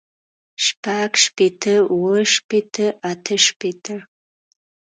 شپږ شپېته اووه شپېته اتۀ شپېته